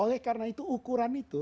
oleh karena itu ukuran itu